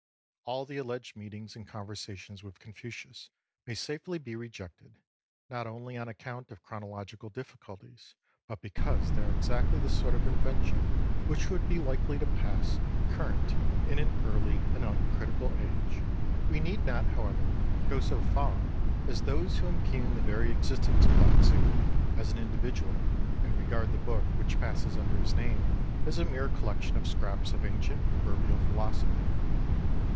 All the alleged meetings and conversations with Confucius may safely be rejected, not only on account of chronological difficulties, but because they are exactly the sort of invention which would be likely to pass current in an early and uncritical age. We need not, Q however, go so tar as those who impugn the very existence of Lao Tzu as an individual, and regard the book which passes under his name as a mere collection of scraps of ancient proverbial philosophy.